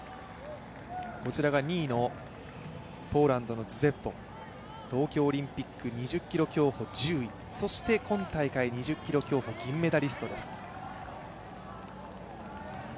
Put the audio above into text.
こちらが２位のポーランドのズジェブウォ、東京オリンピック２０ｋｍ競歩１０位、そして今大会２０ｋｍ競歩銀メダリストです。